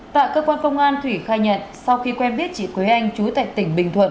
tại cơ quan công an thủy khai nhận sau khi quen biết chị quế anh chú tại tỉnh bình thuận